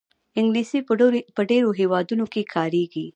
انګلیسي په ډېرو هېوادونو کې کارېږي